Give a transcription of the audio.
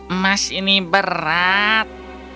emas ini berat